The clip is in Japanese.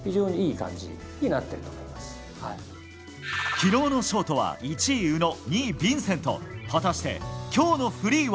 昨日のショートは１位、宇野２位、ヴィンセント。